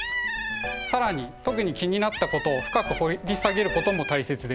更に特に気になったことを深く掘り下げることも大切です。